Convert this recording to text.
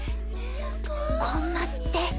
コンマスって？